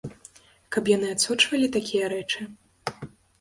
Каб яны адсочвалі такія рэчы.